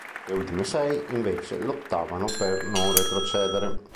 Le ultime sei, invece, lottavano per non retrocedere.